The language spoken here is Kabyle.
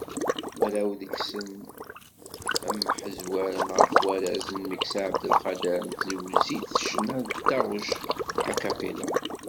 Mraw deg-sen, ad mḥezwaren ɣef warraz n Meksa Ɛabdelqader, n tewsit ccna s taɣect "acapella".